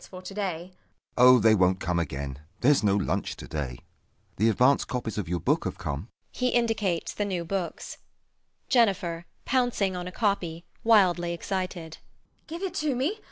[He indicates the new books]. JENNIFER [pouncing on a copy, wildly excited] Give it to me.